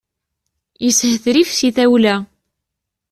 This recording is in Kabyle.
Yeshetrif si tawla.